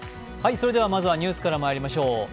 まずはニュースからまいりましょう。